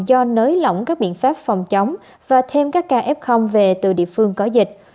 do nới lỏng các biện pháp phòng chống và thêm các ca f về từ địa phương có dịch